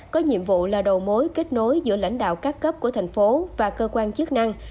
có nhiệm vụ là đầu mối kết nối giữa lãnh đạo các cấp của thành phố và cơ quan chức năng